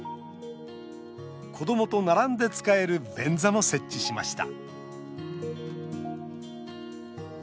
子どもと並んで使える便座も設置しました